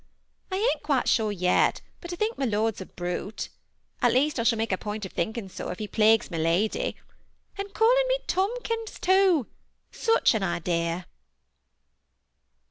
I ain't quite sure yet but what I think my lord a brute ; at least I shall make a point of thinking so if he plagues my lady. And calling me Tomkins, too, — such an idea